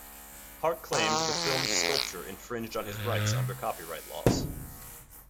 Hart claimed the film's sculpture infringed on his rights under copyright laws.